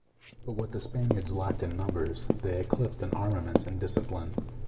But what the Spaniards lacked in numbers they eclipsed in armaments and discipline.